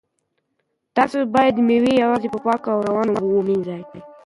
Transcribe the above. تاسو باید مېوې یوازې په پاکو او روانو اوبو ومینځئ.